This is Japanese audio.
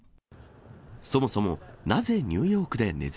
そもそもなぜニューヨークでネズ